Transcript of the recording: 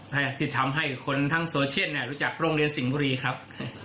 ที่ทำให้คนทั้งโซเชียลรู้จักโรงเรียนสิงห์บุรีครับ